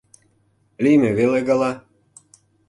— Лийме веле гала!